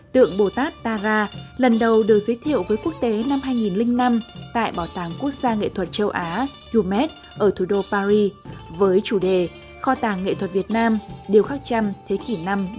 tượng bồ tát tara lần đầu được giới thiệu với quốc tế năm hai nghìn năm tại bảo tàng quốc gia nghệ thuật châu á umed ở thủ đô paris với chủ đề kho tàng nghệ thuật việt nam điều khác chăm thế kỷ năm một mươi năm